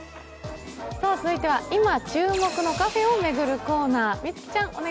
続いては今注目のカフェを巡るコーナー。